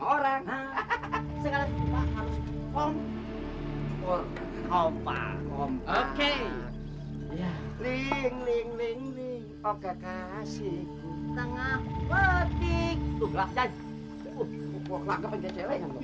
harus kompor kompa kompa oke ya ling ling ling ling oke kasihku tengah petik